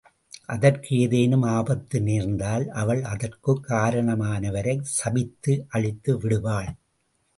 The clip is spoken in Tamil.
அதற்கு ஏதேனும் ஆபத்து நேர்ந்தால், அவள் அதற்குக் காரணமானவரைச் சபித்து அழித்துவிடுவாள்.